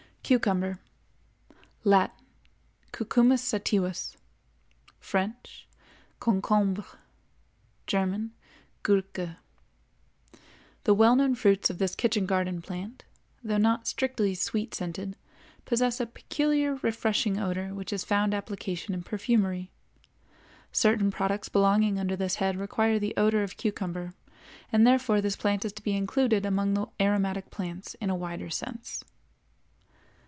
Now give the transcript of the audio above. CUCUMBER. Latin—Cucumis sativus; French—Concombre; German—Gurke. The well known fruits of this kitchen garden plant, though not strictly sweet scented, possess a peculiar refreshing odor which has found application in perfumery. Certain products belonging under this head require the odor of cucumber, and therefore this plant is to be included among the aromatic plants in a wider sense.